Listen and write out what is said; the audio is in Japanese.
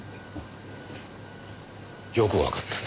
よくわかったね。